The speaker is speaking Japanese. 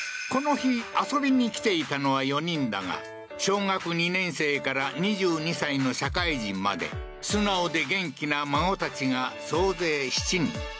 この日、遊びに来ていたのは４人だが、小学２年生から２２歳の社会人まで、素直で元気な孫たちが総勢７人。